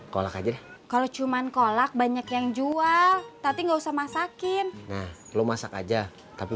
kolak aja deh kalau cuman kolak banyak yang jual tapi nggak usah masakin nah lo masak aja tapi